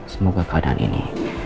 semoga keadaan ini